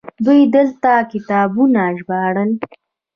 دوی دلته کتابونه ژباړل